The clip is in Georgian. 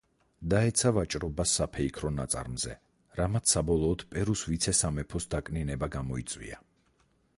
დაეცა ვაჭრობა საფეიქრო ნაწარმზე, რამაც საბოლოოდ პერუს ვიცე-სამეფოს დაკნინება გამოიწვია.